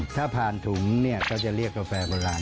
ถ้าผ่านถุงเนี่ยก็จะเรียกกาแฟโบราณ